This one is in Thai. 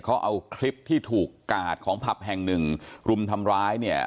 เขาเอาคลิปที่ถูกกาดของผับแห่งหนึ่งรุมทำร้ายเนี่ย